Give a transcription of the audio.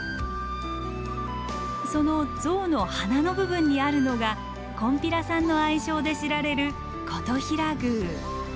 その象の鼻の部分にあるのがこんぴらさんの愛称で知られる金刀比羅宮。